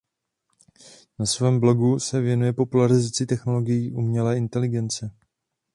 Na svém blogu se věnuje popularizaci technologií umělé inteligence.